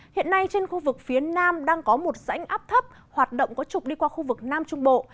hiện nay trên khu vực phía nam đang có một rãnh áp thấp hoạt động có trục đi qua khu vực nam trung bộ